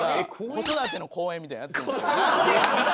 子育ての講演みたいなのやってたんですよ。